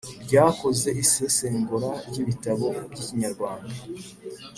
ryakoze isesengura ry’ibitabo by’ikinyarwanda